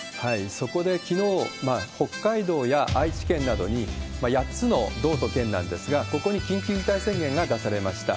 そこできのう、北海道や愛知県などに、８つの道と県なんですが、ここに緊急事態宣言が出されました。